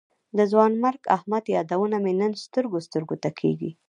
د ځوانمرګ احمد یادونه مې نن سترګو سترګو ته کېږي.